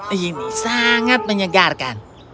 ah ini sangat menyegarkan